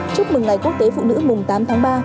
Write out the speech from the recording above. chúc mừng ngày quốc tế phụ nữ mùng tám tháng ba